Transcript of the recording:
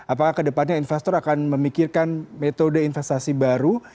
apakah ke depannya investor akan memikirkan metode investasi baru